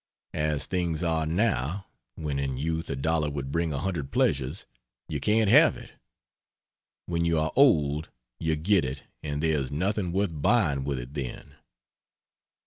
As things are now, when in youth a dollar would bring a hundred pleasures, you can't have it. When you are old, you get it and there is nothing worth buying with it then.